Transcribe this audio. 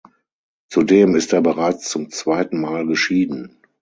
Zudem ist er bereits zum zweiten Mal geschieden.